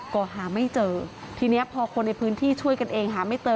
ก็หาไม่เจอทีนี้พอคนในพื้นที่ช่วยกันเองหาไม่เจอ